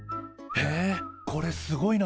へえこれすごいな。